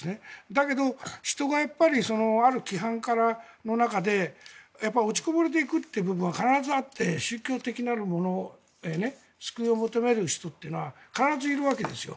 だけど、人がある規範の中で落ちこぼれていく部分は必ずあって、宗教的なものに救いを求める人というのは必ずいるわけですよ。